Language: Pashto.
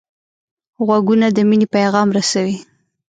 غوږونه د مینې پیغام رسوي